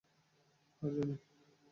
হ্যাঁঁ, জানি।